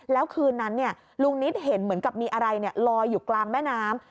แล้วคืนนั้นลุงนิดเห็นเหมือนกับมีอะไรลอยอยู่กลางแม่น้ำ